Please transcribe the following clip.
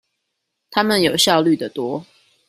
他們有效率的多